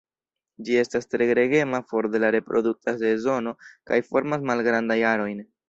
Ĝi estas tre gregema for de la reprodukta sezono kaj formas malgrandajn arojn.